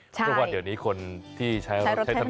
เพราะว่าเดี๋ยวนี้คนที่ใช้รถใช้ถนน